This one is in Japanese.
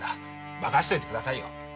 任しといてくださいよ。